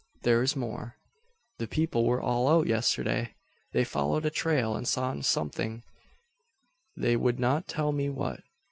there is more. The people were all out yesterday. They followed a trail, and saw something, they would not tell me what.